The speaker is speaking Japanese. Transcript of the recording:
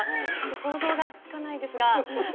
想像がつかないですが。